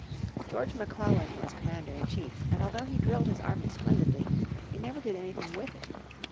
George McClellan was commander in chief, and although he drilled his army splendidly he never did anything with it.